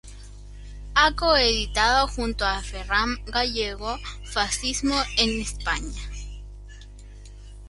Ha coeditado junto a Ferran Gallego "Fascismo en España.